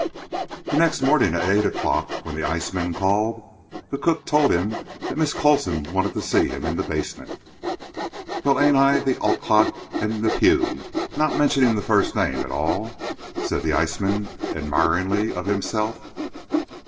The next morning at 8 o'clock, when the iceman called, the cook told him that Miss Coulson wanted to see him in the basement. "Well, ain't I the Olcott and Depew; not mentioning the first name at all?" said the iceman, admiringly, of himself.